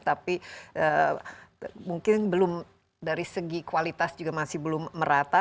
tapi mungkin belum dari segi kualitas juga masih belum merata